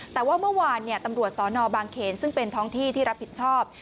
แต่ว่าเมื่อวานตำรวจสนบางเขนซึ่งเป็นท้องที่ที่รับผิดชอบ